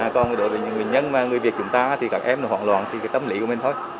còn đối với những bệnh nhân mà người việt chúng ta thì các em nó hoảng loạn thì cái tâm lý của mình thôi